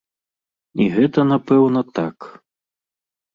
І гэта, напэўна, так.